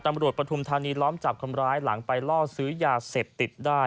ปฐุมธานีล้อมจับคนร้ายหลังไปล่อซื้อยาเสพติดได้